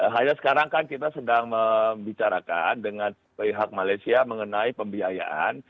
hanya sekarang kan kita sedang membicarakan dengan pihak malaysia mengenai pembiayaan